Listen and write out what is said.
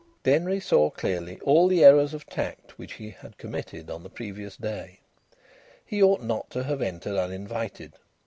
Denry saw clearly all the errors of tact which he had committed on the previous day. He ought not to have entered uninvited.